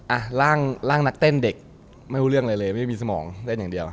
อ่ะร่างนักเต้นเด็กไม่รู้เรื่องอะไรเลยไม่มีสมองเต้นอย่างเดียว